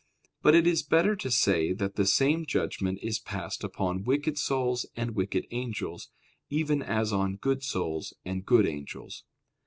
But it is better to say that the same judgment is passed upon wicked souls and wicked angels, even as on good souls and good angels.